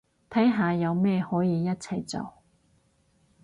睇下有咩可以一齊做